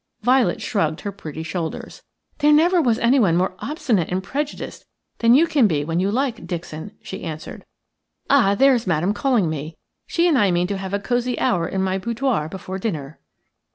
Violet shrugged her pretty shoulders. "There never was anyone more obstinate and prejudiced than you can be when you like, Dixon," she answered. "Ah, there is Madame calling me. She and I mean to have a cosy hour in my boudoir before dinner."